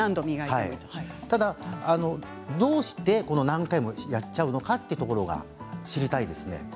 ただ、どうして何回もやっちゃうのかというところが知りたいですね。